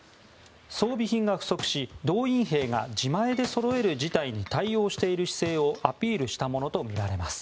装備品が不足し動員兵が自前でそろえる事態に対応している姿勢をアピールしたものとみられます。